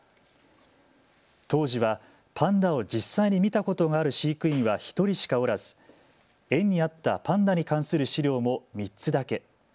当時はパンダを実際に見たことがある飼育員は１人しかおらず園にあったパンダに関する資料も３つだけ。